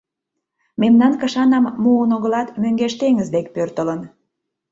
Мемнан кышанам муын огылат, мӧҥгеш теҥыз дек пӧртылын.